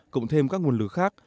cộng thêm các nguồn lực khác